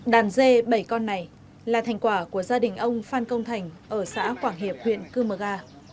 đàn dê bảy con này là thành quả của gia đình ông phan công thành ở xã quảng hiệp huyện cư mờ ga